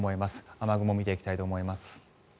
雨雲見ていきたいと思います。